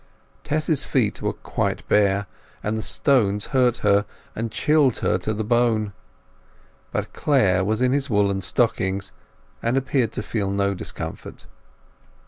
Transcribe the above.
Tess's feet were quite bare, and the stones hurt her, and chilled her to the bone; but Clare was in his woollen stockings and appeared to feel no discomfort.